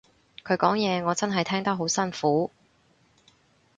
佢講嘢我真係聽得好辛苦